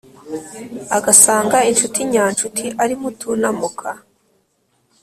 agasanga inshuti nyanshuti ari mutunamuka.